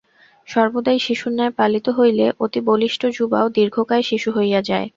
সর্বদাই শিশুর ন্যায় পালিত হইলে অতি বলিষ্ঠ যুবাও দীর্ঘকায় শিশু হইয়া যায়।